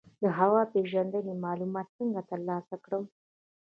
د هوا پیژندنې معلومات څنګه ترلاسه کړم؟